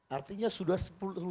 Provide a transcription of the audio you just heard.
artinya sudah selesai